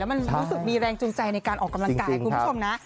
มันรู้สึกมีแรงจูงใจในการออกกำลังกายคุณผู้ชมนะ